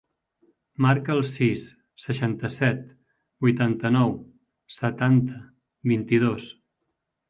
Marca el sis, seixanta-set, vuitanta-nou, setanta, vint-i-dos.